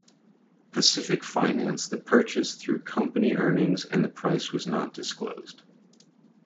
Pacific financed the purchase through company earnings and the price was not disclosed.